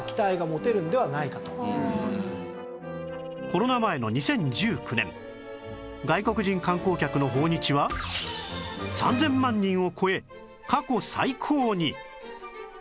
コロナ前の２０１９年外国人観光客の訪日は３０００万人を超え過去最高に